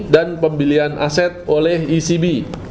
dan pembelian aset oleh icb